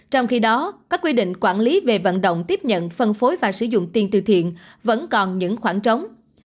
trong khi đó các quy định quản lý về vận động tiếp nhận phân phối và sử dụng tiền từ thiện vẫn còn những khoảng trống